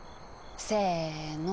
せの。